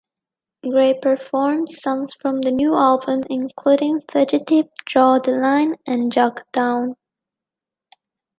Gray performed songs from the new album, including "Fugitive", "Draw the Line" and "Jackdaw".